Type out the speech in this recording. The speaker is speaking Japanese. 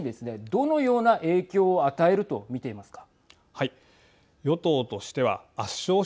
どのような影響を与えるとみていますか。